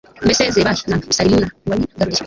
mbese zebahi na salimuna wabigaruriye